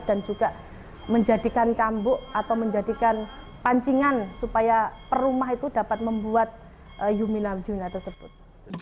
dan juga menjadikan kambuk atau menjadikan pancingan supaya perumah itu dapat membuat yumina yumina tersebut